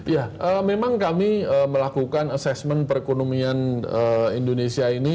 ya memang kami melakukan assessment perekonomian indonesia ini